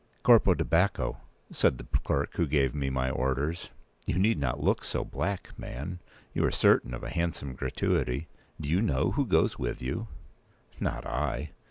"Corpo di Bacco," said the clerk who gave me my orders, "you need not look so black, man. You are certain of a handsome gratuity. Do you know who goes with you?" "Not I."